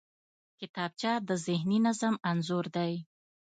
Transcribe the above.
کتابچه د ذهني نظم انځور دی